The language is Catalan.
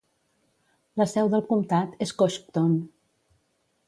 La seu del comtat és Coshocton.